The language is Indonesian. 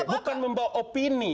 bukan membawa opini